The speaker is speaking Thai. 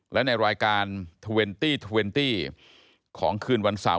และในรายการ๒๐๒๐ของคืนวันเสาร์